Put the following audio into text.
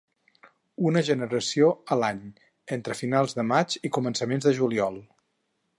Una generació a l'any, entre finals de maig i començaments de juliol.